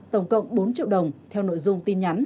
tổng cộng bốn triệu đồng theo nội dung tin nhắn